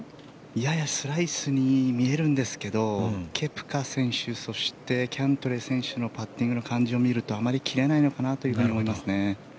ややスライスに見えるんですけどケプカ選手、そしてキャントレー選手のパッティングの感じを見るとあまり切れないのかなと思いますね。